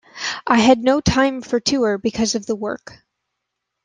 I had no time for tour because of the work.